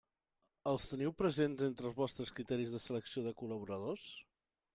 Els teniu presents entre els vostres criteris de selecció de col·laboradors?